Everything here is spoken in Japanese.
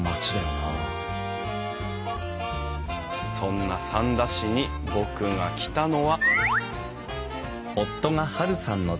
そんな三田市に僕が来たのは。